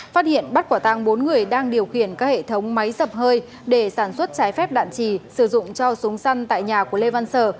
phát hiện bắt quả tăng bốn người đang điều khiển các hệ thống máy sập hơi để sản xuất trái phép đạn trì sử dụng cho súng săn tại nhà của lê văn sở